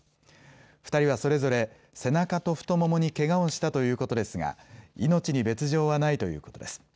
２人はそれぞれ背中と太ももにけがをしたということですが命に別状はないということです。